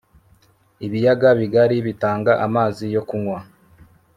Ibiyaga Bigari bitanga amazi yo kunywa